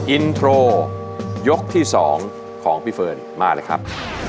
อินโทรยกที่๒ของพี่เฟิร์นมาเลยครับ